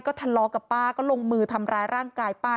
ทะเลาะกับป้าก็ลงมือทำร้ายร่างกายป้า